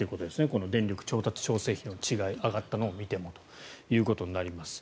この電力調達調整費の違い上がったのを見てもということになります。